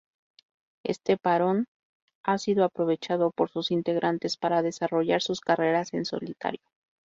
Este parón ha sido aprovechado por sus integrantes para desarrollar sus carreras en solitario.